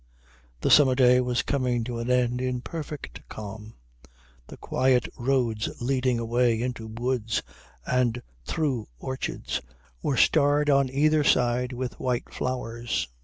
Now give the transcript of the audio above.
The summer day was coming to an end in perfect calm. The quiet roads leading away into woods and through orchards were starred on either side with white flowers.